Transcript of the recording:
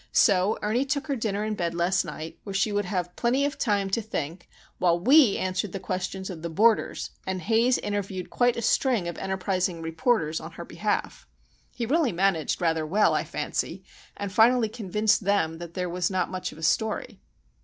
So Ernie took her dinner in bed last night, where she would have plenty of time to think, while we answered the questions of the boarders, and Haze interviewed quite a string of enterprising reporters on her behalf! He really managed rather well, I fancy, and finally convinced them that there was not much of a "story."